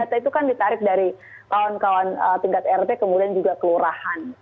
dan data itu kan ditarik dari kawan kawan tingkat rt kemudian juga kelurahan